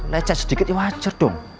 lecet sedikit wajar dong